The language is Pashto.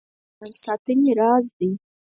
اوبه د روان ساتنې راز دي